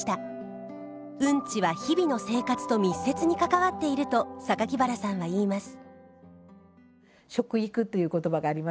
うんちは日々の生活と密接に関わっていると原さんは言います。